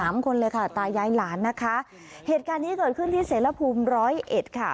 คนเลยค่ะตายายหลานนะคะเหตุการณ์นี้เกิดขึ้นที่เสรภูมิร้อยเอ็ดค่ะ